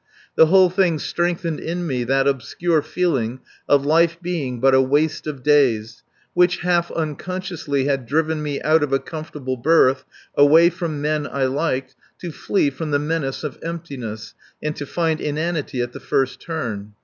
The whole thing strengthened in me that obscure feeling of life being but a waste of days, which, half unconsciously, had driven me out of a comfortable berth, away from men I liked, to flee from the menace of emptiness ... and to find inanity at the first turn.